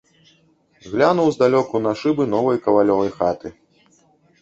Глянуў здалёку на шыбы новай кавалёвай хаты.